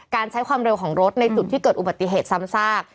ใช้ความเร็วของรถในจุดที่เกิดอุบัติเหตุซ้ำซาก